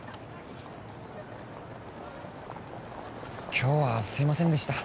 今日はすいませんでした